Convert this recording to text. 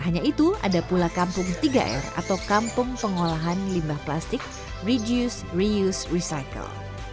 hanya itu ada pula kampung tiga r atau kampung pengolahan limbah plastik reduce reuse recycle